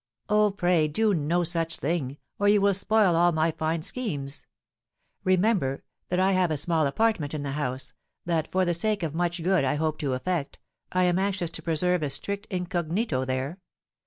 "Oh, pray do no such thing, or you will spoil all my fine schemes. Remember that I have a small apartment in the house; that for the sake of much good I hope to effect, I am anxious to preserve a strict incognito there.